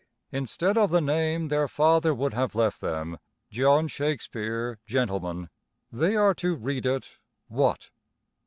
Instead of the name their father would have left them, 'John Shakespeare, Gentleman,' they are to read it what?"